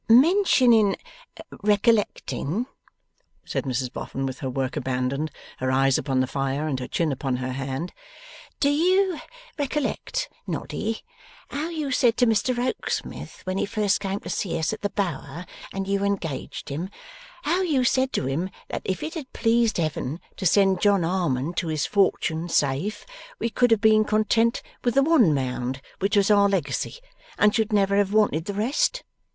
'Mentioning recollecting,' said Mrs Boffin, with her work abandoned, her eyes upon the fire, and her chin upon her hand, 'do you recollect, Noddy, how you said to Mr Rokesmith when he first came to see us at the Bower, and you engaged him how you said to him that if it had pleased Heaven to send John Harmon to his fortune safe, we could have been content with the one Mound which was our legacy, and should never have wanted the rest?